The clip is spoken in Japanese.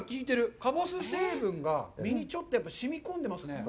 かぼす成分が身にちょっとしみ込んでますね。